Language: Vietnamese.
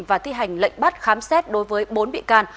và thi hành lệnh bắt khám xét đối với bốn bị can